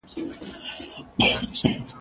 موږ په انټرنیټ کې نوي کلتورونه پېژنو.